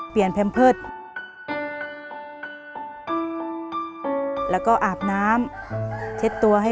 เปลี่ยนเพลงเพลงเก่งของคุณและข้ามผิดได้๑คำ